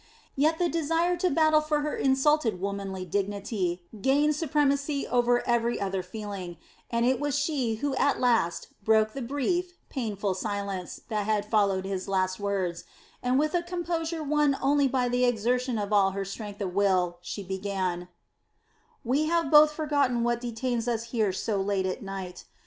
Yet the desire to battle for her insulted womanly dignity gained supremacy over every other feeling, and it was she who at last broke the brief, painful silence that had followed his last words, and with a composure won only by the exertion of all her strength of will, she began: "We have both forgotten what detains us here so late at night.